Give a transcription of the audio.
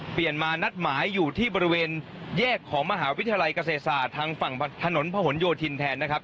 เปลี่ยนมานัดหมายอยู่ที่บริเวณแยกของมหาวิทยาลัยเกษตรศาสตร์ทางฝั่งถนนพะหนโยธินแทนนะครับ